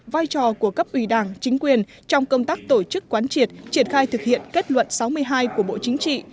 vai trò của cấp ủy đảng chính quyền trong công tác tổ chức quán triệt triển khai thực hiện kết luận sáu mươi hai của bộ chính trị